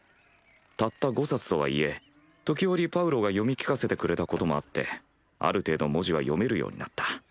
たった５冊とはいえ時折パウロが読み聞かせてくれたこともあってある程度文字は読めるようになった。